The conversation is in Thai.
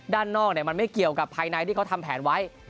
ด้านนอกมันไม่เกี่ยวกับภายในที่เขาทำแผนไว้